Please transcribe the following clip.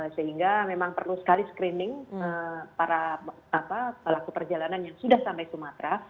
sehingga memang perlu sekali screening para pelaku perjalanan yang sudah sampai sumatera